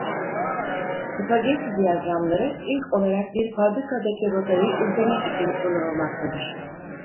Spagetti diyagramları ilk olarak bir fabrikadaki rotayı izlemek için kullanılmaktadır.